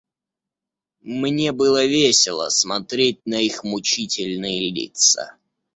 Мне было весело смотреть на их мучительные лица.